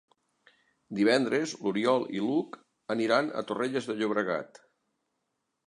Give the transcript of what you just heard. Divendres n'Oriol i n'Hug iran a Torrelles de Llobregat.